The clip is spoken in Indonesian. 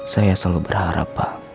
saya selalu berharap pak